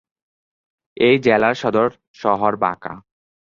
এই জেলার সদর শহর বাঁকা।